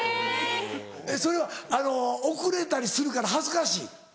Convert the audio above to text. それは遅れたりするから恥ずかしい？